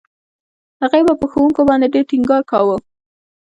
هغې به په ښوونکو باندې ډېر ټينګار کاوه.